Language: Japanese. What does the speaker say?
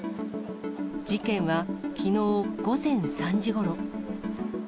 事件はきのう午前３時ごろ。